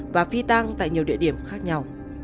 và phi tăng tại nhiều địa điểm khác nhau